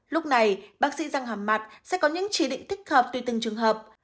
lúc này bác sĩ răng hàm mặt sẽ có những chỉ định thích hợp tùy từng trường hợp